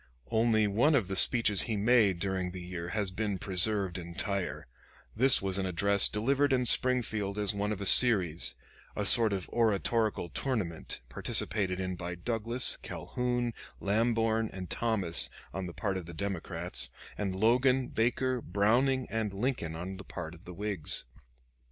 Only one of the speeches he made during the year has been preserved entire: this was an address delivered in Springfield as one of a series a sort of oratorical tournament participated in by Douglas, Calhoun, Lamborn, and Thomas on the part of the Democrats, and Logan, Baker, Browning, and Lincoln on the part of the Whigs.